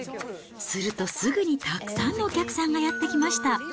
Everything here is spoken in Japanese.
するとすぐにたくさんのお客さんがやって来ました。